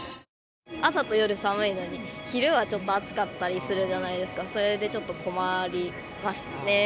朝と夜、寒いのに、昼はちょっと暑かったりするじゃないですか、それでちょっと困り